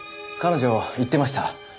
彼女言ってました。